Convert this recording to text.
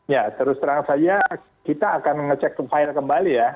ya terus terang saja kita akan ngecek file kembali ya